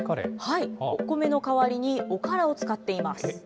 お米の代わりにおからを使っています。